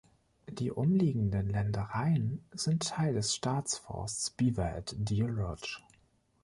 Die umliegenden Ländereien sind Teil des Staatsforsts Beaverhead-Deerlodge.